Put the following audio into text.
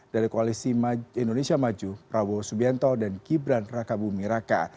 dari koalisi indonesia maju prabowo subianto dan gibran raka buming raka